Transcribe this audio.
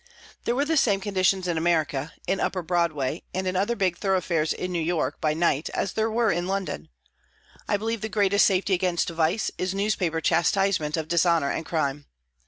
There were the same conditions in America, in Upper Broadway, and other big thoroughfares in New York, by night, as there were in London. I believe the greatest safety against vice is newspaper chastisement of dishonour and crime.